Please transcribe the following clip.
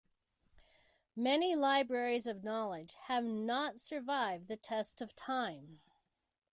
Many libraries of knowledge have not survived the test of time.